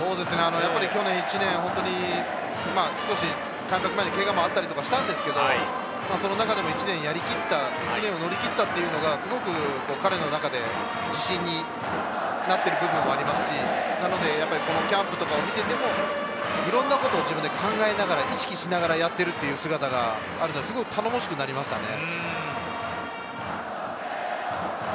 去年１年、開幕前にけがとかあったりもしたんですけど、その中で１年やりきった、１年を乗り切ったというのがすごく彼の中で自信になっている部分がありますし、キャンプを見ていても、いろんなことを自分で考えながら意識しながらやっている姿がすごく頼もしくなりましたね。